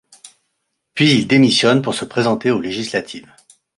Puis il démissionne pour se présenter aux législatives.